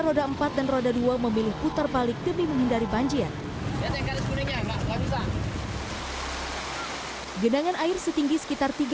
roda empat dan roda dua memilih putar balik demi menghindari banjir genangan air setinggi sekitar